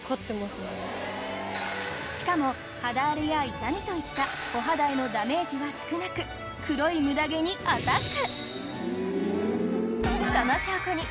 しかも肌荒れや痛みといったお肌へのダメージは少なく黒いムダ毛にアタック！